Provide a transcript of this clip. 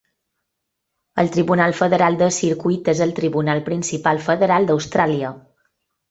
El Tribunal Federal de Circuit és el tribunal principal federal d'Austràlia.